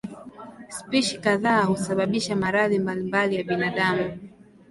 Spishi kadhaa husababisha maradhi mbalimbali ya binadamu.